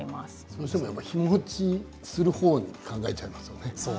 どうしても日もちするものを考えちゃいますよね。